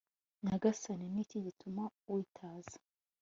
nyagasani, ni iki gituma witaza